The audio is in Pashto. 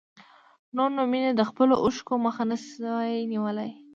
نور نو مينې د خپلو اوښکو مخه نه شوای نيولی.